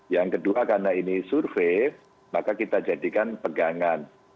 yang kedua karena ini survei maka kita jadikan pegangan